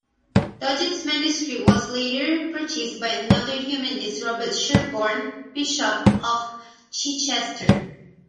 Doget's manuscript was later purchased by another humanist, Robert Sherborn, Bishop of Chichester.